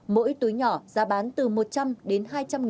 mỗi túi nhỏ ra bán